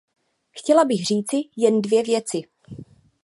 Chtěla bych říci jen dvě věci.